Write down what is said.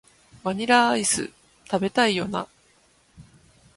バニラアイス、食べたいよな